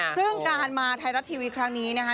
ซึ่งการมาไทยรัฐทีวีครั้งนี้นะคะ